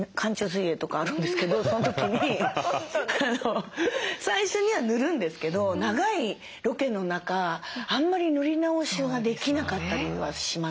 水泳とかあるんですけどその時に最初には塗るんですけど長いロケの中あんまり塗り直しはできなかったりはしますし。